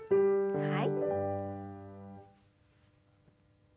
はい。